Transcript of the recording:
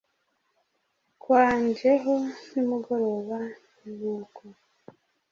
kwanjeho nimugoroba i nuko